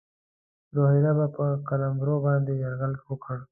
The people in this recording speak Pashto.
روهیله به پر قلمرو باندي یرغل وکړي.